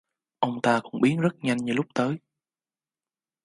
Ông ta cũng biến rất nhanh như lúc tới